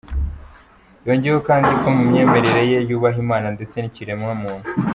Yongeyeho kandi ko mu myemerere ye yubaha Imana ndetse n’ikiremwamuntu.